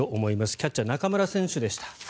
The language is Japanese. キャッチャー、中村選手でした。